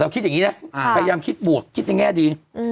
คิดอย่างนี้นะพยายามคิดบวกคิดในแง่ดี